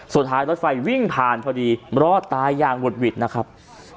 สุดท้ายรถไฟวิ่งผ่านพอดีรอดตายอย่างหุดหวิดนะครับ